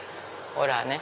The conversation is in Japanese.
ほらね。